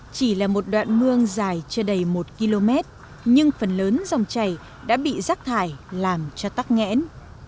chỉ là một đoạn mương dài chưa đầy một km nhưng phần lớn dòng chảy đã bị rác thải làm cho tắc nghẽn